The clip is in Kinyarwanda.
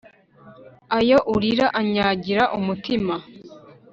ayo urira anyagira umutima